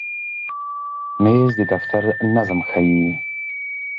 مېز د دفتر نظم ښیي.